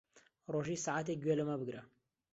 ڕۆژێ سەعاتێک گوێ لەمە بگرە.